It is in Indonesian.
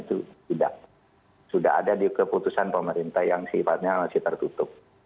itu sudah ada di keputusan pemerintah yang sifatnya masih tertutup